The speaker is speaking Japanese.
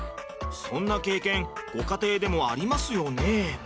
そんな経験ご家庭でもありますよね？